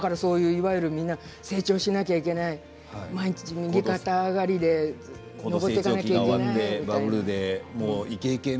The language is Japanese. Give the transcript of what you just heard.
いわゆる成長しなきゃいけない毎日右肩上がりで上っていかなきゃいけない。